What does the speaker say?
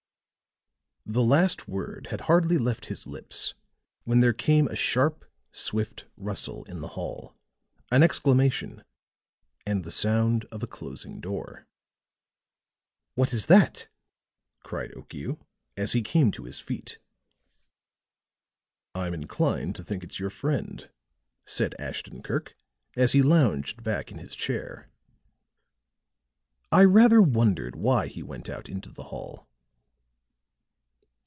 The last word had hardly left his lips when there came a sharp swift rustle in the hall, an exclamation and the sound of a closing door. "What is that?" cried Okiu, as he came to his feet. "I'm inclined to think it's your friend," said Ashton Kirk, as he lounged back in his chair. "I rather wondered why he went out into the hall."